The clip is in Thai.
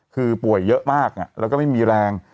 คือป่วยเยอะมากแล้วก็ไม่มีแรง